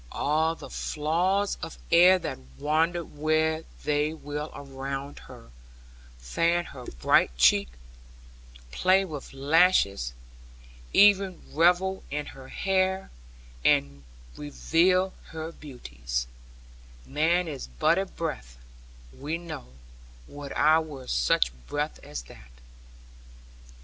Ah, the flaws of air that wander where they will around her, fan her bright cheek, play with lashes, even revel in her hair and reveal her beauties man is but a breath, we know, would I were such breath as that!